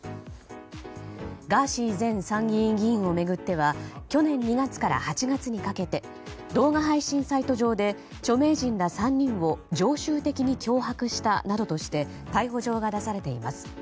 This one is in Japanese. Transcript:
ガーシー前参院議員を巡っては去年２月から８月にかけて動画配信サイト上で著名人ら３人を常習的に脅迫したなどとして逮捕状が出されています。